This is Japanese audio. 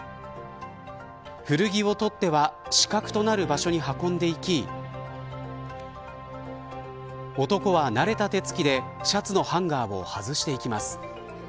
古着を取っては死角となる場所に運んでいき男は慣れた手つきでシャツのハンガーを外していきます。